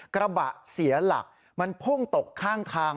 กระบะเสียหลักมันพุ่งตกข้างทาง